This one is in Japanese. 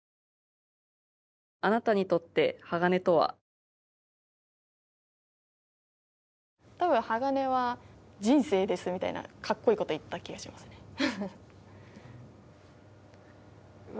「“あなたにとってＨＡＧＡＮＥとは”」ですみたいなかっこいいこと言った気がしますねうわ